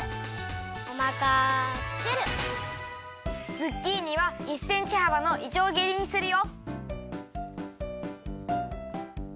ズッキーニは１センチはばのいちょうぎりにするよ。